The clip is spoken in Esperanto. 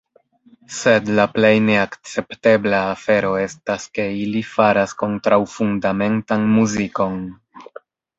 Sed la plej neakceptebla afero estas ke ili faras kontraŭfundamentan muzikon.